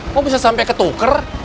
kok bisa sampe ke tuker